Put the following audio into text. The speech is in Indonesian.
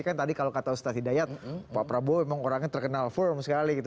kan tadi kalau kata ustadz hidayat pak prabowo memang orangnya terkenal firm sekali gitu